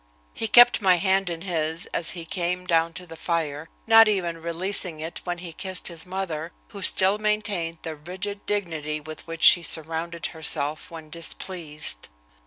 He kept my hand in his as he came down to the fire, not even releasing it when he kissed his mother, who still maintained the rigid dignity with which she surrounded herself when displeased.